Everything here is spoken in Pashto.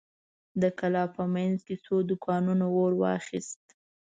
د کلا په مينځ کې څو دوکانونو اور واخيست.